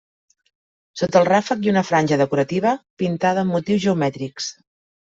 Sota el ràfec i ha una franja decorativa pintada amb motius geomètrics.